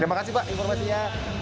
terima kasih pak informasinya